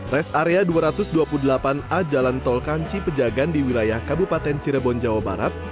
res area dua ratus dua puluh delapan a jalan tol kanci pejagan di wilayah kabupaten cirebon jawa barat